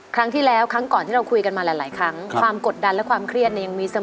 ครั้งที่แล้วครั้งก่อนที่เราคุยกันมาหลายครั้งความกดดันและความเครียดเนี่ยยังมีเสมอ